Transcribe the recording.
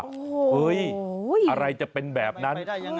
เฮ้ยอะไรจะเป็นแบบนั้น